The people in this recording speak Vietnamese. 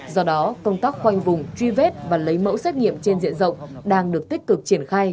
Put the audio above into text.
do đó công tác khoanh vùng truy vết và lấy mẫu xét nghiệm trên diện rộng đang được tích cực triển khai